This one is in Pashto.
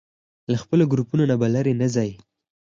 له خپلو ګروپونو نه به لرې نه ځئ.